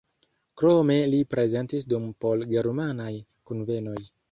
Krome li prezentis dum por-germanaj kunvenoj.